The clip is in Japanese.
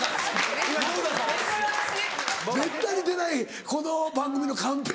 めったに出ないこの番組のカンペ。